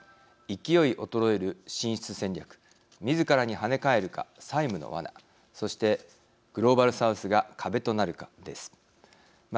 勢い衰える進出戦略自らに跳ね返るか“債務のワナ”そしてグローバル・サウスが“壁”となるかです。